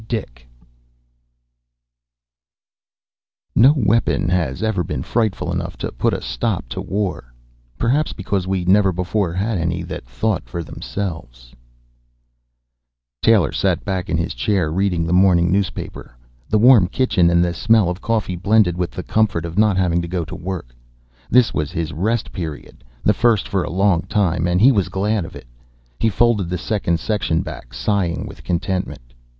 DICK Illustrated by EMSH _No weapon has ever been frightful enough to put a stop to war perhaps because we never before had any that thought for themselves!_ Taylor sat back in his chair reading the morning newspaper. The warm kitchen and the smell of coffee blended with the comfort of not having to go to work. This was his Rest Period, the first for a long time, and he was glad of it. He folded the second section back, sighing with contentment.